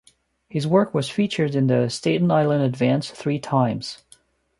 His work was featured in the "Staten Island Advance" three times.